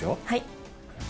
はい。